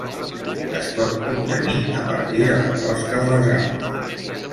Es pot obtenir a partir de la closca de les gambes.